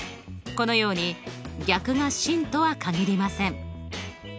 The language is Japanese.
このように逆が真とは限りません。